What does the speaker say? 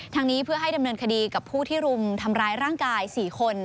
ทางนี้เพื่อให้ดำเนินคดีกับผู้ที่รุมทำร้ายร่างกาย๔คน